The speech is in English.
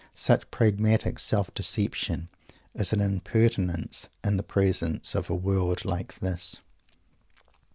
Such pragmatic self deception is an impertinence in the presence of a world like this.